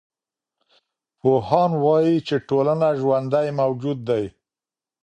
پوهان وايي چي ټولنه ژوندی موجود دی.